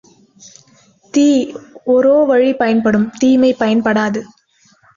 தீ, ஒரோ வழி பயன்படும் தீமை பயன்படாது.